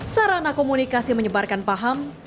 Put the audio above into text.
sarana komunikasi menyebarkan paham